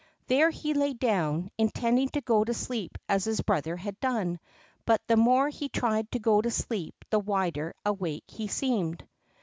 There he lay down, intending to go to sleep as his brother had done, but the more he tried to go to sleep the wider awake he seemed.